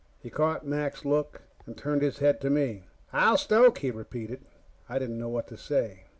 He'd caught Mac's look and turned his head to me. "I'll stoke," he repeated. I didn't know what to say.